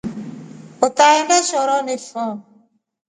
Utaenda shoroni fo.